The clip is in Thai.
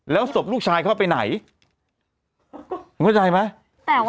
แล้วศพลูกชายเข้าไปไหนเข้าใจไหม